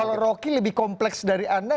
kalau rocky lebih kompleks dari anda